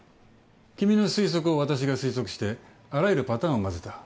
君の推測を私が推測してあらゆるパターンを混ぜた。